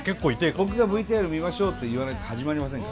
僕がＶＴＲ見ましょうって言わなきゃ始まりませんから。